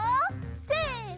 せの！